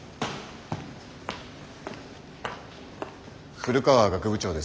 古川学部長です。